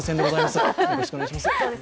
よろしくお願いします。